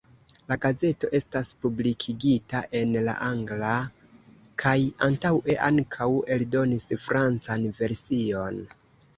La gazeto estas publikigita en la angla kaj antaŭe ankaŭ eldonis francan version.